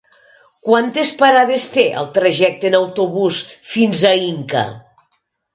Quantes parades té el trajecte en autobús fins a Inca?